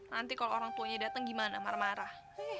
nanti kalau orang tuanya datang gimana marah marah